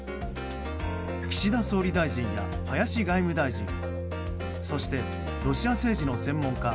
岸田総理大臣や林外務大臣そしてロシア政治の専門家